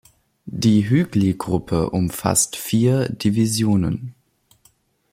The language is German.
Die Hügli-Gruppe umfasst vier Divisionen.